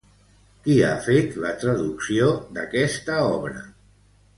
Qui ha fet la traducció d'aquesta obra?